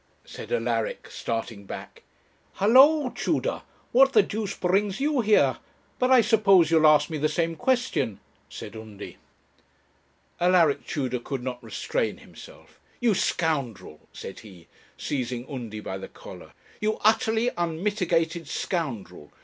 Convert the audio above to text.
said Alaric, starting back. 'Hallo, Tudor, what the deuce brings you here? but I suppose you'll ask me the same question?' said Undy. Alaric Tudor could not restrain himself. 'You scoundrel,' said he, seizing Undy by the collar; 'you utterly unmitigated scoundrel!